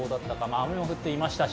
雨も降ってましたし。